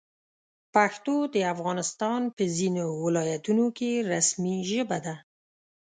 پښتو د افغانستان په ځینو ولایتونو کې رسمي ژبه ده.